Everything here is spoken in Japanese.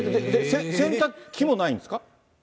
洗濯機もないんですか？